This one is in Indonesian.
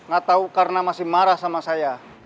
gak tahu karena masih marah sama saya